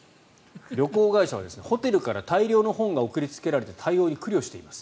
旅行会社はホテルから大量の本が送りつけられて対応に苦慮しています。